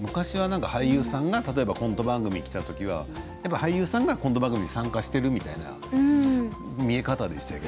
俳優さんがコント番組に来ると俳優さんがコント番組に参加しているという見え方でしたよね。